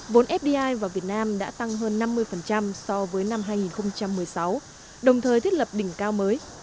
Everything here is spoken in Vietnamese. vốn fdi vào việt nam đã tăng hơn năm mươi so với năm hai nghìn một mươi sáu đồng thời thiết lập đỉnh cao mới